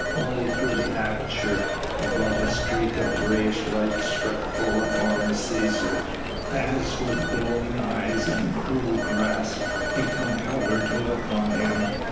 Only through the aperture above a streak of greyish light struck full upon the Cæsar, as, with glowing eyes and cruel grasp, he compelled her to look on him.